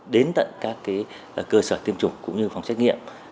đến tận các cơ sở tiêm chủng cũng như phòng xét nghiệm